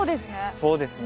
そうですね。